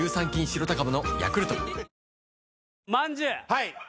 はい。